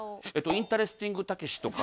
インタレスティングたけしとか。